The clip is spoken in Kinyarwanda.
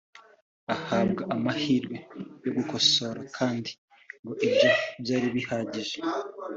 ahabwa amahirwe yo kugikosora kandi ngo ibyo byari bihagije